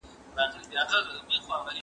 ¬ د شيدو سوی، مستې پوکي.